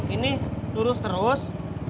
ini lurus terus